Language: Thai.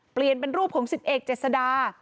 เปลี่ยนเป็นรูปของสิบเอกเจษดา